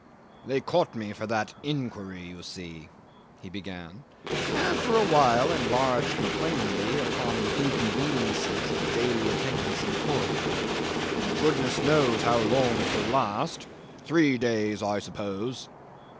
"They caught me for that inquiry, you see," he began, and for a while enlarged complainingly upon the inconveniences of daily attendance in court. "And goodness knows how long it will last. Three days, I suppose."